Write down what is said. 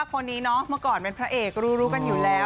คนนี้เนาะเมื่อก่อนเป็นพระเอกรู้กันอยู่แล้ว